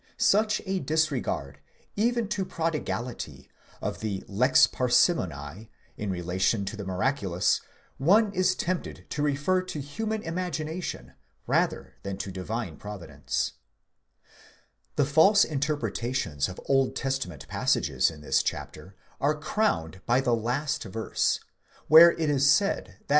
Such a disregard, even to prodigality, of the Jex parsimonie in relation to the miraculous, one is tempted to refer to human imagination rather than to divine providence, The false interpretations of Old Testament passages in this chapter are crowned by the last verse, where it is said that by the settlement of the 18. Schmidt, ut sup.